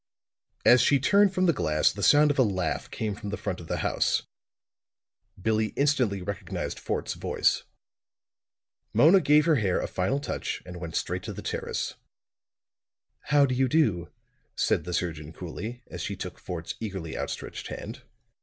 As she turned from the glass the sound of a laugh came from the front of the house. Billie instantly recognized Fort's voice. Mona gave her hair a final touch and went straight to the terrace. "How do you do?" said the surgeon coolly, as she took Fort's eagerly outstretched hand.